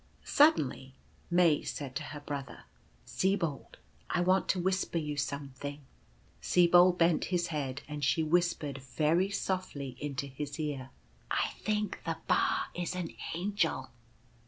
Suddenly May said to her brother : "Sibold, I want to whisper you something.'' Sibold bent his head, and she whispered very softly into his ear: " I think the Ba is an Angel